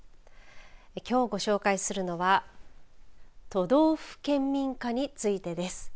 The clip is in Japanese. きょうご紹介するのは都道府県民歌についてです。